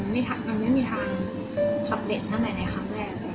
มันไม่มีทางสำเร็จนะในครั้งแรก